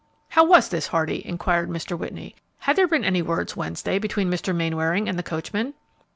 '" "How was this, Hardy?" inquired Mr. Whitney. "Had there been any words Wednesday between Mr. Mainwaring and the coachman?"